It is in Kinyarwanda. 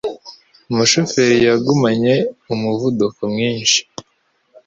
Umushoferi yagumanye umuvuduko mwinshi.